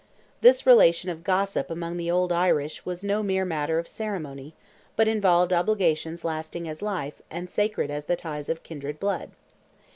This relation of gossip among the old Irish was no mere matter of ceremony, but involved obligations lasting as life, and sacred as the ties of kindred blood.